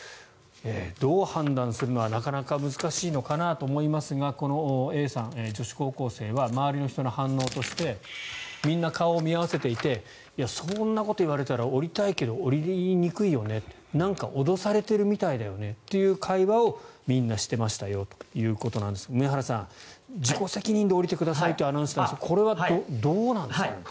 どう判断するのかなかなか難しいのかなと思いますがこのＡさん、女子高校生は周りの人の反応としてみんな顔を見合わせていてそんなこと言われたら降りたいけど降りにくいよねなんか脅されてるみたいだよねっていう会話をみんなしていましたよということなんですが梅原さん、自己責任で降りてくださいというアナウンスですがこれはどうなんですかね。